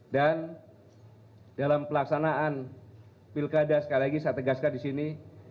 dan dalam pelaksanaan pilkada sekali lagi saya tegaskan di sini